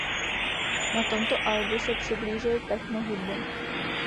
Na tomto albu se přiblížil techno hudbě.